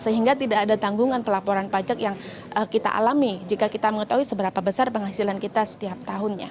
sehingga tidak ada tanggungan pelaporan pajak yang kita alami jika kita mengetahui seberapa besar penghasilan kita setiap tahunnya